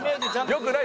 良くない。